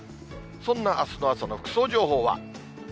そんなあすの朝の服装情報は。